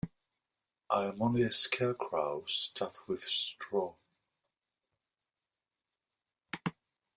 I am only a Scarecrow, stuffed with straw.